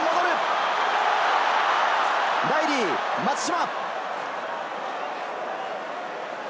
ライリー、松島。